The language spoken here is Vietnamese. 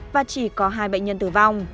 và chỉ có hai bệnh nhân tử vong